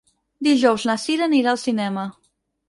Dijous na Cira anirà al cinema.